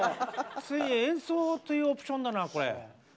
ついに演奏というオプションだなこれ。